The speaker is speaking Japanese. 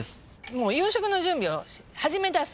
もう夕食の準備を始めだす。